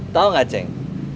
tahu gak ceng